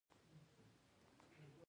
راکټ د تجربو لپاره کارېږي